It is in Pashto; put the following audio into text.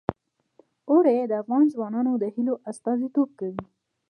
اوړي د افغان ځوانانو د هیلو استازیتوب کوي.